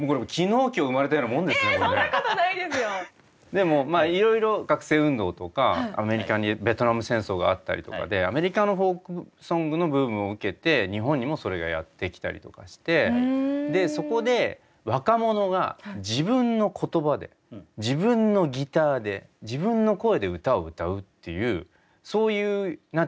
でもいろいろ学生運動とかアメリカにベトナム戦争があったりとかでアメリカのフォークソングのブームを受けて日本にもそれがやってきたりとかしてそこで若者が自分の言葉で自分のギターで自分の声で歌を歌うっていうそういう何ていうのかな